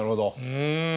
うん。